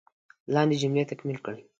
لاندې جملې تکمیل کړئ.